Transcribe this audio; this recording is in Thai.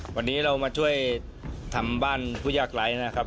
วันนี้เรามาช่วยทำบ้านผู้ยากไร้นะครับ